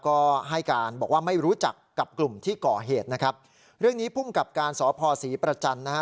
ก็ให้การบอกว่าไม่รู้จักกับกลุ่มที่ก่อเหตุนะครับเรื่องนี้ภูมิกับการสพศรีประจันทร์นะฮะ